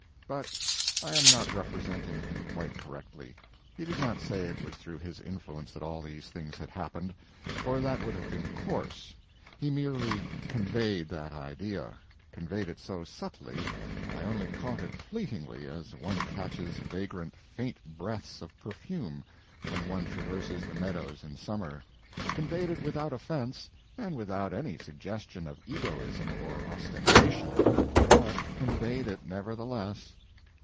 But I am not representing him quite correctly. He did not say it was through his influence that all these things had happened for that would have been coarse; he merely conveyed that idea; conveyed it so subtly that I only caught it fleetingly, as one catches vagrant faint breaths of perfume when one traverses the meadows in summer; conveyed it without offense and without any suggestion of egoism or ostentation but conveyed it, nevertheless.